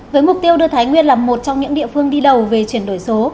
với mục tiêu đưa thái nguyên là một trong những địa phương đi đầu về chuyển đổi số